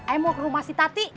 emang rumah si tati